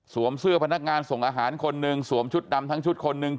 เสื้อพนักงานส่งอาหารคนหนึ่งสวมชุดดำทั้งชุดคนหนึ่ง